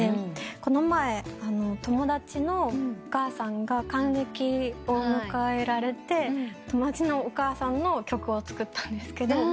この前友達のお母さんが還暦を迎えられて友達のお母さんの曲を作ったんですけど。